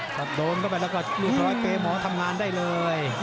ตกโดนเข้าไปแล้วก็พร้อมเป๊มรทำงานได้เลย